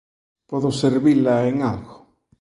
Podo servila en algo?